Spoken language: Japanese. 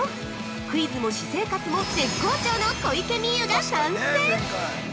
クイズも私生活も絶好調の小池美由が参戦！